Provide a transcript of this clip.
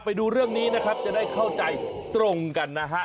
ไปดูเรื่องนี้นะครับจะได้เข้าใจตรงกันนะฮะ